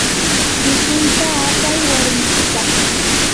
mikuyta apayi warmikipaq.